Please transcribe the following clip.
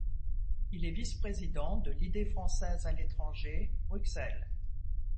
Il est vice-président de l'Idée française à l'étranger, Bruxelles.